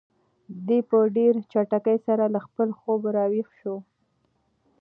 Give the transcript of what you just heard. دی په ډېرې چټکۍ سره له خپل خوبه را ویښ شو.